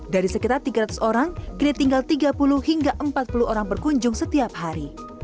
dari sekitar tiga ratus orang kini tinggal tiga puluh hingga empat puluh orang berkunjung setiap hari